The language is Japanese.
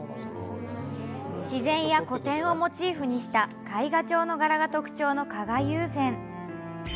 自然や古典をモチーフにした絵画調の柄が特徴の加賀友禅。